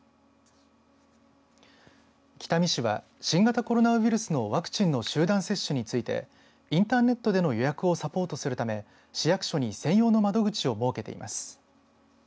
北見市は、新型コロナウイルスのワクチンの集団接種についてインターネットでの予約をサポートするため市役所に専用の窓口を設けています。